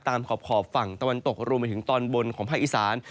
ขอบฝั่งตะวันตกรวมไปถึงตอนบนของภาคอีสาน